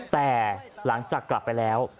แต่หลังจากกลับไปแล้ว